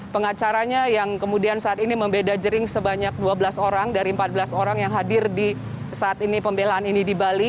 pengacaranya yang kemudian saat ini membeda jering sebanyak dua belas orang dari empat belas orang yang hadir di saat ini pembelaan ini di bali